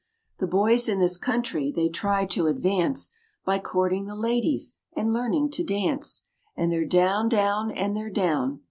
The boys in this country they try to advance By courting the ladies and learning to dance, And they're down, down, and they're down.